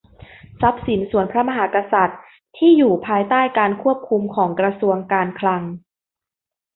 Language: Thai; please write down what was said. ทรัพย์สินส่วนพระมหากษัตริย์ ที่อยู่ภายใต้การควบคุมของกระทรวงการคลัง